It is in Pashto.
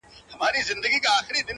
ستا زړه ته خو هر څوک ځي راځي گلي ـ